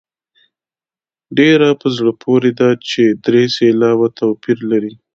ډېره په زړه پورې ده چې درې سېلابه توپیر لري.